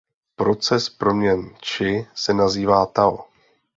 Proces proměn čchi se nazývá tao.